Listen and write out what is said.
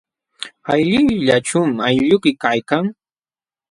¿Allinllachum aylluyki kaykan?